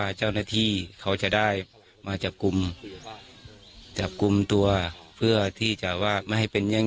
เจ้าหน้าที่เขาจะได้มาจับกลุ่มจับกลุ่มตัวเพื่อที่จะว่าไม่ให้เป็นแย่ง